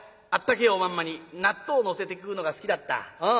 あったけえおまんまに納豆のせて食うのが好きだった。